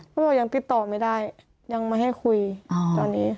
เขาบอกยังติดต่อไม่ได้ยังไม่ให้คุยตอนนี้